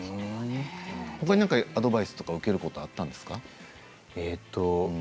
ほかにアドバイスを受けることもあったんですか。